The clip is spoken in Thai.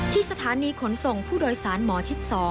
ที่สถานีขนส่งผู้โดยสารหมอชิด๒